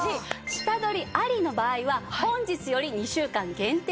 下取りありの場合は本日より２週間限定となります。